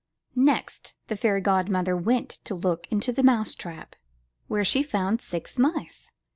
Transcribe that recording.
Next, the fairy godmother went to look into the mouse trap, where she found six mice.